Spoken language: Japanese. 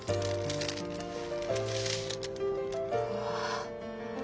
うわ。